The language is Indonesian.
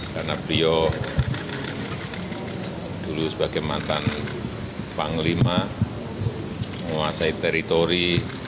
karena beliau dulu sebagai mantan panglima menguasai teritori